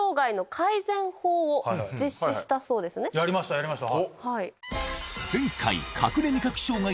やりましたやりました。